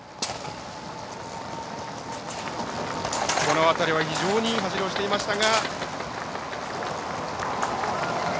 この辺りは非常にいい走りをしていましたが。